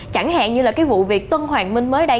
chẳng hạn như là cái vụ việc tân hoàng minh mới đây